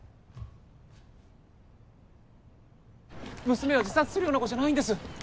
娘は自殺するような子じゃないんです。